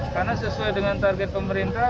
karena sesuai dengan target pemerintah